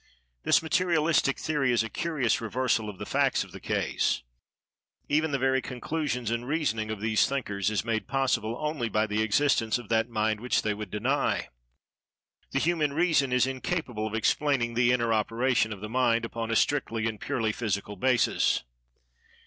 This Materialistic theory is a curious reversal of the facts of the case. Even the very conclusions and reasoning of these thinkers is made possible only by the existence of that Mind which they would deny. The human reason is incapable of "explaining" the inner operation of the Mind, upon a strictly and purely physical basis.